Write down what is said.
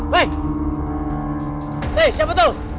wey siapa tuh